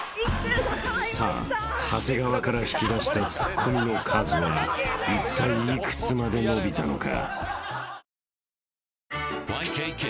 ［さあ長谷川から引き出したツッコミの数はいったい幾つまで伸びたのか？］